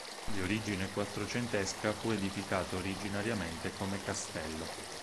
Di origine quattrocentesca, fu edificato originariamente come castello.